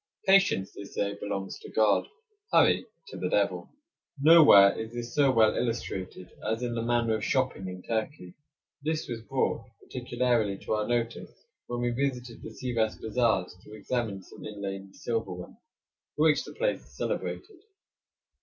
Patience, they say, belongs to God; hurry, to the devil. Nowhere is this so well illustrated as in the manner of shopping in Turkey. This was brought particularly to our notice when we visited the Sivas bazaars to examine some inlaid silverware, for which the place is celebrated.